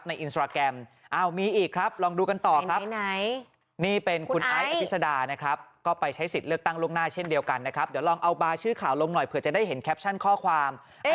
นี่คุณเมพิชชนะตหรือเปล่า